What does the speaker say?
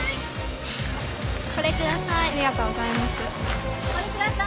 これください。